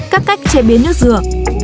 các cách chế biến nước dừa